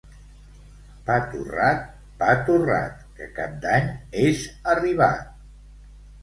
Pa torrat, pa torrat, que Cap d'Any és arribat.